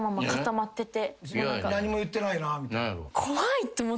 何も言ってないなみたいな。